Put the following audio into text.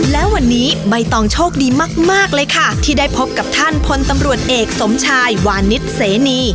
และวันนี้ใบตองโชคดีมากเลยค่ะที่ได้พบกับท่านพลตำรวจเอกสมชายวานิสเสนี